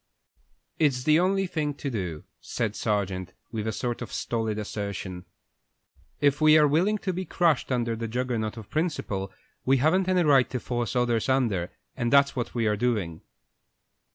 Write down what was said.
"It's the only thing to do," said Sargent, with a sort of stolid assertion. "If we are willing to be crushed under the Juggernaut of principle, we haven't any right to force others under, and that's what we are doing."